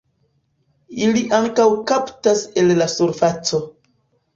Ili ankaŭ kaptas el la surfaco.